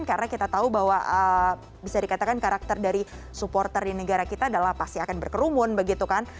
karena kita tahu bahwa bisa dikatakan karakter dari supporter di negara kita adalah pasti akan berkerumun begitu kan